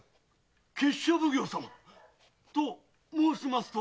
闕所奉行様⁉と申しますと？